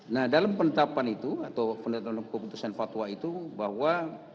nah dalam penetapan itu atau penetapan keputusan fatwa itu bahwa